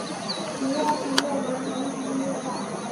主要城镇为蒙迪迪耶。